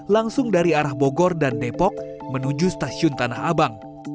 langsung dari arah bogor dan depok menuju stasiun tanah abang